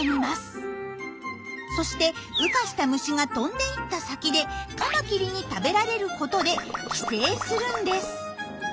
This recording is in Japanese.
そして羽化した虫が飛んで行った先でカマキリに食べられることで寄生するんです。